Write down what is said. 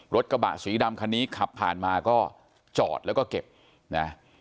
รถกระบะสีดำคันนี้ขับผ่านมาก็จอดแล้วก็เก็บนะ